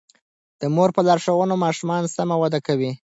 د مور په لارښوونه ماشومان سم وده کوي.